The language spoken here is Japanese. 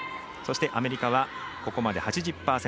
そして、アメリカはここまで８０％。